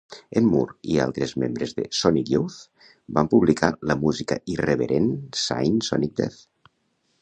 En Moore i altres membres de Sonic Youth van publicar la música irreverent zine "Sonic Death".